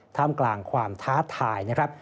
ท่ามกลางความท้าทายนะครับ